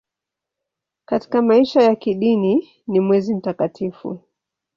Katika maisha ya kidini ni mwezi mtakatifu.